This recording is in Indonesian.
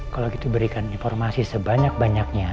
kalau kita berikan informasi sebanyak banyaknya